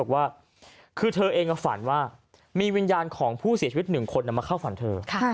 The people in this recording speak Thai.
บอกว่าคือเธอเองฝันว่ามีวิญญาณของผู้เสียชีวิต๑คนมาเข้าฝันเธอ